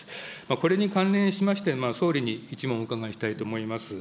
これに関連しまして、総理に一問、お伺いしたいと思います。